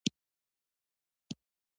افغانستان په وحشي حیوانات باندې تکیه لري.